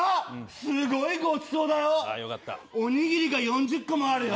すごいごちそうだよああよかったおにぎりが４０個もあるよ